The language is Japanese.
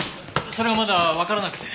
それがまだわからなくて。